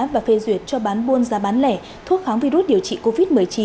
và phê duyệt cho bán buôn giá bán lẻ thuốc kháng virus điều trị covid một mươi chín